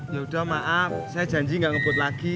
yaudah maaf saya janji gak ngebut lagi